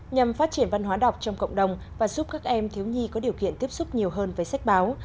nhằm phát triển văn hóa đọc trong cộng đồng và giúp các em thiếu nhi có điều kiện tiếp xúc nhiều hơn với sách báo